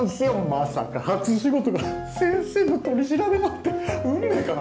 まさか初仕事が先生の取り調べなんて運命かな？